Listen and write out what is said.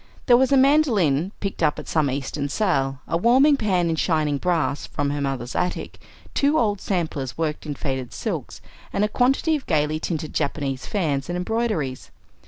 There was a mandolin, picked up at some Eastern sale, a warming pan in shining brass from her mother's attic, two old samplers worked in faded silks, and a quantity of gayly tinted Japanese fans and embroideries.